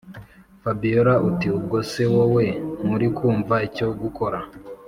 fabiora ati”ubwo se wowe nturikumva icyo gukora”